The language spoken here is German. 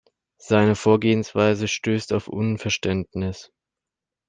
Seine Vorgehensweise stößt auf Unverständnis.